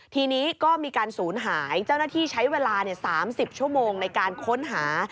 ทีนี้ก็มีการศูนย์หายเจ้าหน้าที่ใช้เวลา๓๐ชั่วโมงในการค้นหา